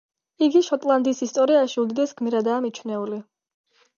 იგი შოტლანდიის ისტორიაში უდიდეს გმირადაა მიჩნეული.